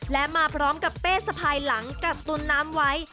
และมาพร้อมกับเป้สะพายหลังกับตุนน้ำไว้